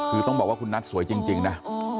คือต้องบอกว่าคุณนัทสวยจริงนะ